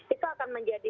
itu akan menjadi